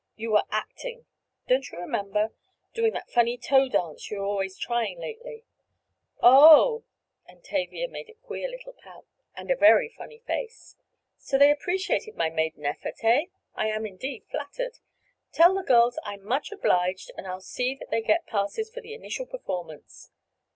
You were 'acting'; don't you remember? Doing that funny toe dance you are always trying lately." "O o o o h!" and Tavia made a queer little pout, and a very funny face. "So they appreciated my maiden effort, eh? I am indeed flattered! Tell the girls I'm much obliged and I'll see that they get passes for the initial performance.